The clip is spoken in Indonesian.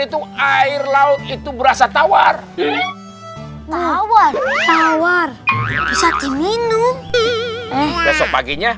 itu air laut itu berasa tawar tawar tawar tawar bisa diminum besok paginya